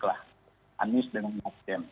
lah anies dengan nasden